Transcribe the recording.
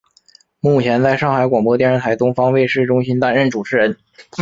目前在上海广播电视台东方卫视中心担任主持人。